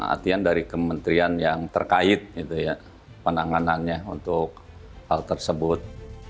artian dari kementerian yang terkait penanganannya untuk hal tersebut